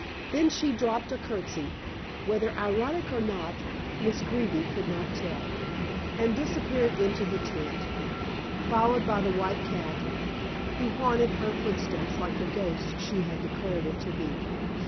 Then she dropped a curtsey whether ironical or not, Miss Greeby could not tell and disappeared into the tent, followed by the white cat, who haunted her footsteps like the ghost she declared it to be.